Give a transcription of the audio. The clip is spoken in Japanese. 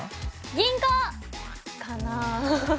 銀行！かな。